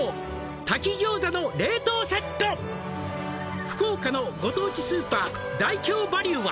「炊き餃子の冷凍セット」「福岡のご当地スーパーダイキョーバリューは」